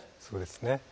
そうですね。